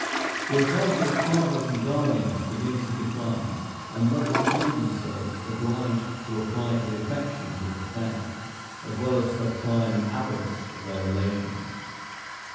The authority of fathers and guardians begins to decline, and lovers find themselves obliged to apply to the affections of the fair, as well as to the pride and avarice of their relations.